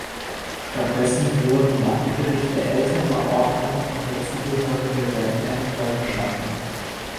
Stattdessen wurden Landgerichte älterer Ordnung und dazugehörige Rentämter geschaffen.